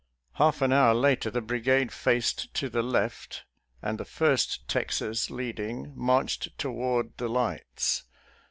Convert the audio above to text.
Half an hour later the brigade faced to the left, and the First Texas leading, marched toward the lights.